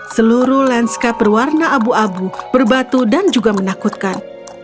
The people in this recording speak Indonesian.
seluruh landscape berwarna abu abu berbatu dan juga menakutkan